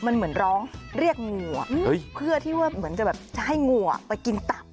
มันเหมือนร้องเรียกงูเพื่อที่ว่าเหมือนจะแบบจะให้งูไปกินตับ